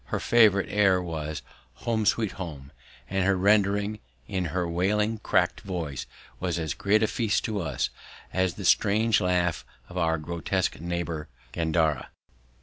Her favourite air was "Home, sweet Home," and her rendering in her wailing cracked voice was as great a feast to us as the strange laugh of our grotesque neighbour Gandara.